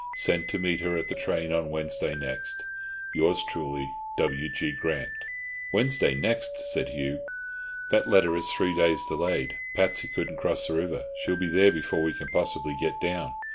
Send to meet her at the train on Wednesday next. Yours truly, W. G. GRANT. "Wednesday next!" said Hugh, "that letter is three days delayed. Patsy couldn't cross the river. She'll be there before we can possibly get down.